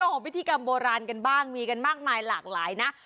ของพิธีกรรมโบราณกันบ้างมีกันมากมายหลากหลายนะ